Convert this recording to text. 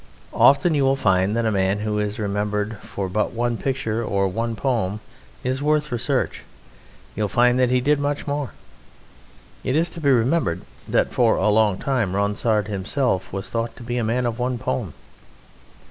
Often you will find that a man who is remembered for but one picture or one poem is worth research. You will find that he did much more. It is to be remembered that for a long time Ronsard himself was thought to be a man of one poem.